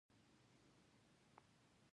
نو زما زړه به له ډاره ورانېده.